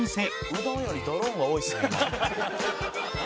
「うどんよりドローンが多いですね今」